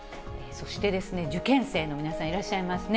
そして、受験生の皆さんいらっしゃいますね。